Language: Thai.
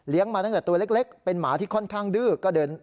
มาตั้งแต่ตัวเล็กเป็นหมาที่ค่อนข้างดื้อก็เดิน